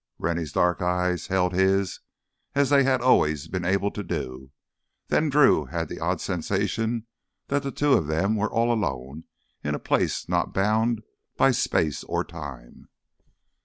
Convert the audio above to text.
Rennie's dark eyes held his as they had always been able to do. Then Drew had the odd sensation that the two of them were all alone in a place not bound by space or time.